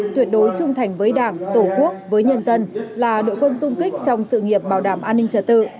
tuyệt đối trung thành với đảng tổ quốc với nhân dân là đội quân sung kích trong sự nghiệp bảo đảm an ninh trật tự